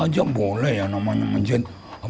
boleh siapa saja boleh ya namanya masjid